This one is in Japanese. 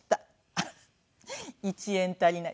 あら１円足りない。